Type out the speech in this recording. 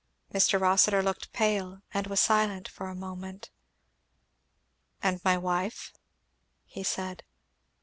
Mr. Rossitur looked pale and was silent a moment. "And my wife?" he said.